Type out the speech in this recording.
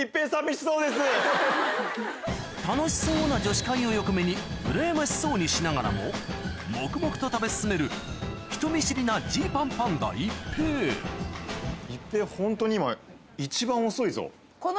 楽しそうな女子会を横目にうらやましそうにしながらも黙々と食べ進める人見知りな一平ホントに。